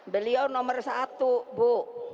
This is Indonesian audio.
beliau nomor satu